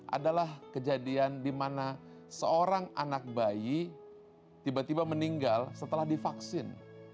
adalah kejadian di mana seorang anak bayi tiba tiba meninggal setelah divaksin